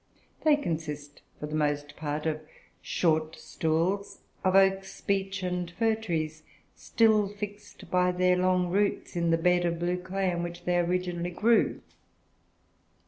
They consist, for the most part, of short stools of oak, beech, and fir trees, still fixed by their long roots in the bed of blue clay in which they originally grew.